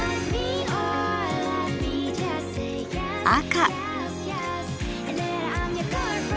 赤。